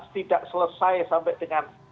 tidak selesai sampai dengan